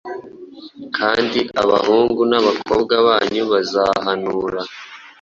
kandi abahungu n’abakobwa banyu bazahanura,